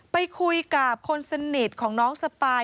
ไปคุยกับคนสนิทของน้องสปาย